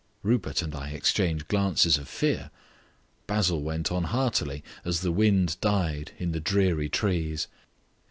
Rupert and I exchanged glances of fear. Basil went on heartily, as the wind died in the dreary trees.